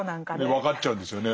分かっちゃうんですよね。